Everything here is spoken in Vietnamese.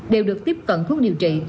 đều được tiếp cận thuốc điều trị